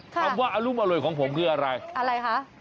คำว่าอรุมอร่วยของผมคืออะไรอะไรคะ